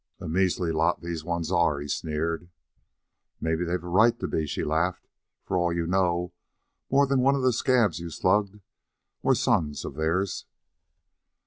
"A measly lot these ones are," he sneered. "Maybe they've a right to be," she laughed. "For all you know, more than one of the scabs you've slugged were sons of theirs."